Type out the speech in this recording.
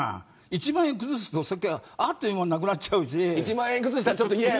１万円崩すと、あっという間になくなっちゃうし。